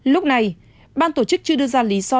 lúc này ban tổ chức chưa đưa ra lý sử dụng